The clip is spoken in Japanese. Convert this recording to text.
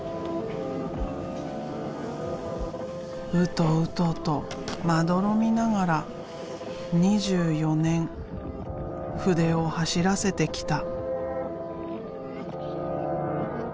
ウトウトとまどろみながら２４年筆を走らせてきた。